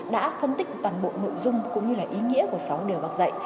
đã phân tích toàn bộ nội dung cũng như là ý nghĩa của sáu lời bác dạy